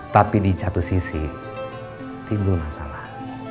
tapi di satu sisi timbul masalah